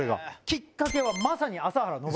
きっかけはまさに朝原宣治。